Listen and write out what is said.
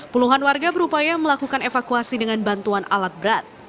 puluhan warga berupaya melakukan evakuasi dengan bantuan alat berat